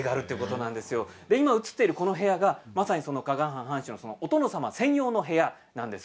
今、映っているこの部屋がまさに加賀藩藩主のお殿様専用の部屋なんです。